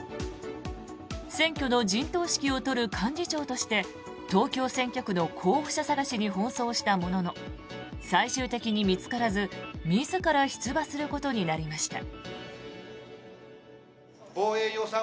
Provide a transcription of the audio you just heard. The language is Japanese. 選挙の陣頭指揮を執る幹事長として東京選挙区の候補者探しに奔走したものの最終的に見つからず自ら出馬することになりました。